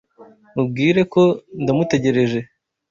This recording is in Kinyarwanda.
Mubwire ko ndamutegereje.